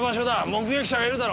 目撃者がいるだろ。